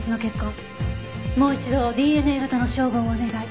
もう一度ＤＮＡ型の照合をお願い。